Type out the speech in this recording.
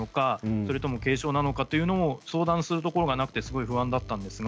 それとも軽症なのかを相談するところがなくて不安だったんです。